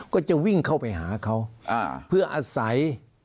ก็จะวิ่งเข้าไปหาเขาเพื่ออาศัย